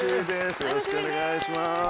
よろしくお願いします。